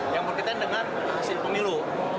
yang berkaitan dengan hasil pemilu